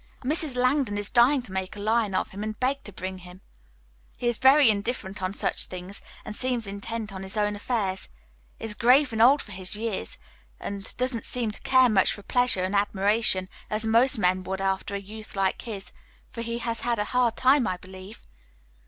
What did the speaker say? "Mrs. Langdon is dying to make a lion of him, and begged to bring him. He is very indifferent on such things and seems intent on his own affairs. Is grave and old for his years, and doesn't seem to care much for pleasure and admiration, as most men would after a youth like his, for he has had a hard time, I believe.